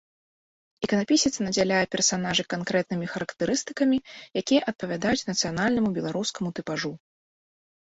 Іканапісец надзяляе персанажы канкрэтнымі характарыстыкамі, якія адпавядаюць нацыянальнаму беларускаму тыпажу.